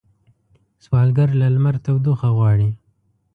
سوالګر له لمر تودوخه غواړي